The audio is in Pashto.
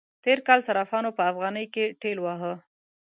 تېر کال صرافانو په افغانی کې ټېل واهه.